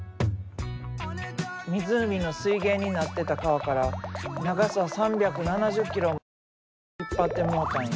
湖の水源になってた川から長さ３７０ｋｍもある水路を引っ張ってもうたんや。